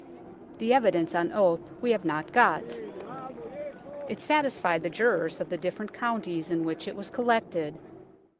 The evidence on oath we have not got. It satisfied the jurors of the different counties in which it was collected.